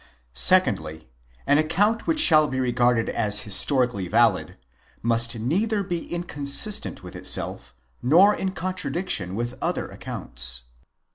Secondly. An account which shall be regarded as historically valid, must neither be inconsistent with itself, nor in contradiction with other accounts.